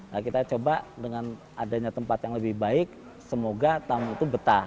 nah kita coba dengan adanya tempat yang lebih baik semoga tamu itu betah